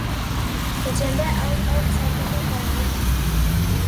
Kutembea au kusafirishwa kwa wanyama